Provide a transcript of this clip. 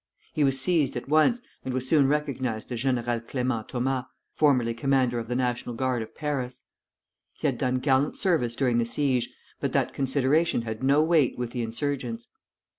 He was seized at once, and was soon recognized as General Clément Thomas, formerly commander of the National Guard of Paris. He had done gallant service during the siege; but that consideration had no weight with the insurgents.